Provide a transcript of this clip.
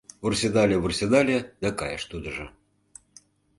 Вурседале-вурседале да кайыш тудыжо.